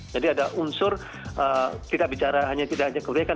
jadi ada unsur tidak bicara hanya tidak hanya kebudayaan